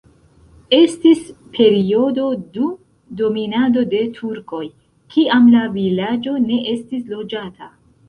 Estis periodo dum dominado de turkoj, kiam la vilaĝo ne estis loĝata.